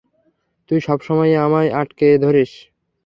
তুই সবসময়ই আমায় আঁটকে ধরিস।